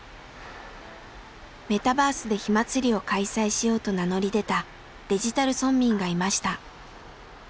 メタバースで火まつりを開催しようと名乗り出たデジタル村民がいました。